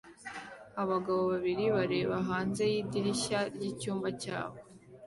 Abagabo babiri bareba hanze yidirishya ryicyumba cyabo